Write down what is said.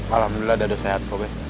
alhamdulillah dado sehat ko be